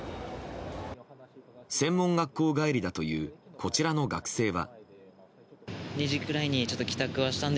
専門学校帰りだというこちらの学生は。